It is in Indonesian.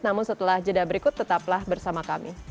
namun setelah jeda berikut tetaplah bersama kami